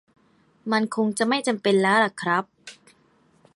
มันคงจะไม่จำเป็นแล้วล่ะครับ